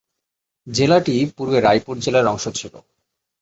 জেলাটি পূর্বে রায়পুর জেলার অংশ ছিল।